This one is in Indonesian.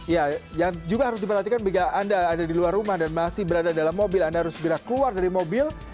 ya yang juga harus diperhatikan jika anda ada di luar rumah dan masih berada dalam mobil anda harus segera keluar dari mobil